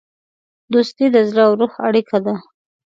دوستي د زړه او روح اړیکه ده.